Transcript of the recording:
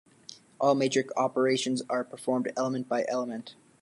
All matrix operations are performed element-by-element.